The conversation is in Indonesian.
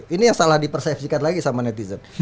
ini yang salah di persepsikan lagi sama netizen